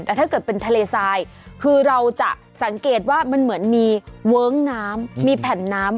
แต่ถ้าเกิดเป็นทะเลทรายคือเราจะสังเกตว่ามันเหมือนมีเวิ้งน้ำมีแผ่นน้ำ